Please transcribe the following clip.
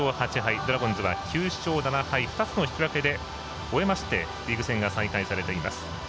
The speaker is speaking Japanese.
ドラゴンズは９勝７敗２つの引き分けで終えましてリーグ戦が再開されています。